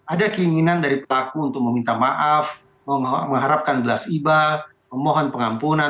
ada keinginan dari pelaku untuk meminta maaf mengharapkan belas iba memohon pengampunan